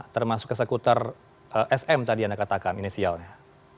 termasuk eksekutor sm tadi anda katakan inisialnya